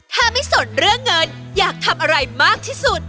ถ้าไม่สนเรื่องเงินอยากทำอะไรมากที่สุด